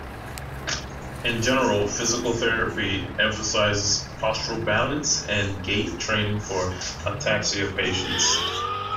In general, physical therapy emphasises postural balance and gait training for ataxia patients.